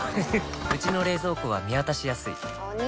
うちの冷蔵庫は見渡しやすいお兄！